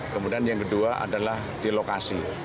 kemudian yang kedua adalah di lokasi